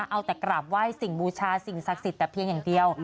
เอาแต่กราบไหว้สิ่งบูชาสิ่งศักดิ์สิทธิ์แต่เพียงอย่างเดียว